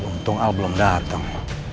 untung al belum dateng